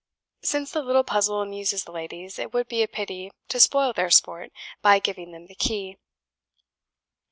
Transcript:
Since the little puzzle amuses the ladies, it would be a pity to spoil their sport by giving them the key."